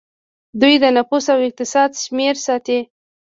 دوی د نفوس او اقتصاد شمیرې ساتي.